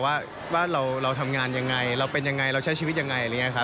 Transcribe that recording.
ว่าเราทำงานยังไงเราเป็นยังไงเราใช้ชีวิตยังไง